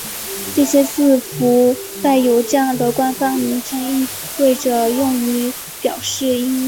这些字符带有这样的官方名称意味着用于表示音标。